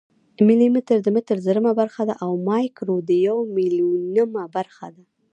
ملي متر د متر زرمه برخه ده او مایکرو د یو میلیونمه برخه ده.